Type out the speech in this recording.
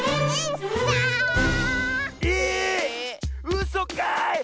うそかい！